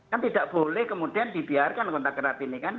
kan tidak boleh kemudian dibiarkan kontak erat ini kan